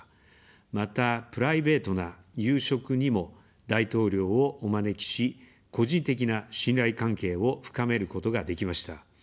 また、プライベートな夕食にも大統領をお招きし、個人的な信頼関係を深めることができました。